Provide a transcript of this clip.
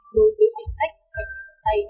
đối với hành tách cảnh sát tay